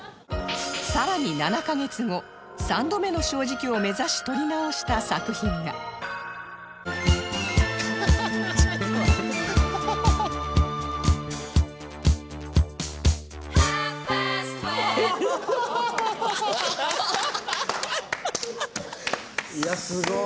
更に７カ月後３度目の正直を目指し撮り直した作品がいやすごい！